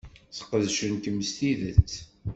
Sqedcen-kem s tidet.